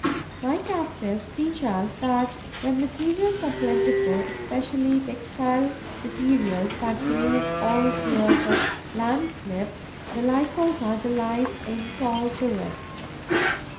My captives teach us that, when materials are plentiful, especially textile materials that remove all fears of landslip, the Lycosa delights in tall turrets.